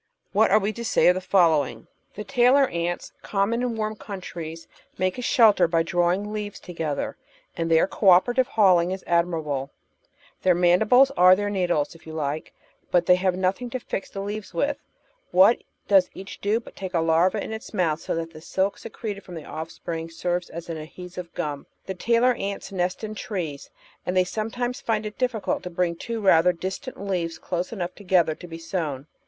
What are we to say of the following? The tailor ants, common in warm countries, make a shelter by drawing leaves together, and their co operative hauling is admirable; their mandibles are their needles, if you like, but they have nothing to fix the leaves with; what does each do but take a larva in its mouth so that the silk secreted from the offspring serves as adhesive gum. The tailor ants nest in trees, and they sometimes find it difficult to bring two rather distant leaves close enough together to be sewn.